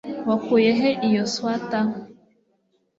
Wakuye he iyo swater?